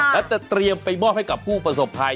แล้วจะเตรียมไปมอบให้กับผู้ประสบภัย